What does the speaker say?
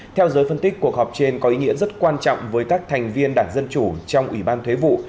theo giới phân tích cuộc họp trên có ý nghĩa rất quan trọng với các thành viên đảng dân chủ trong ủy ban thuế vụ